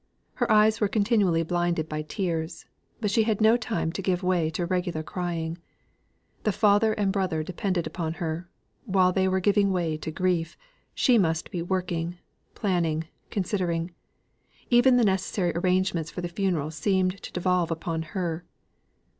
Her eyes were continually blinded by tears, but she had no time to give way to regular crying. The father and brother depended upon her; while they were giving way to grief, she must be working, planning, considering. Even the necessary arrangements for the funeral seemed to devolve upon her.